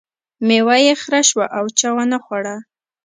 میوه یې خره شوه او چا ونه خوړه.